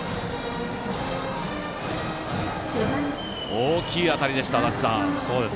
大きい当たりでした、足達さん。